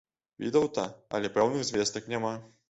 Вітаўта, але пэўных звестак няма.